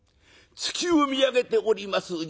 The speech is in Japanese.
月を見上げております